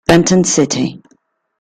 Benton City